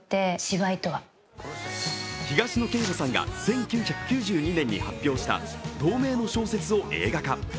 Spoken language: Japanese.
東野圭吾さんが１９９２年に発表した同名の小説を映画化。